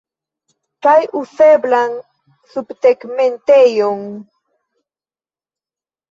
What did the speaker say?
Kaj uzeblan subtegmentejon.